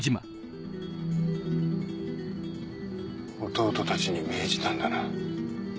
弟たちに命じたんだな？